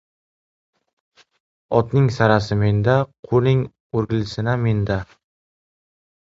Otning sarasi menda, quling o‘rgilsini menda!